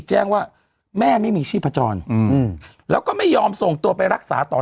แจ้งว่าแม่ไม่มีชีพจรแล้วก็ไม่ยอมส่งตัวไปรักษาต่อ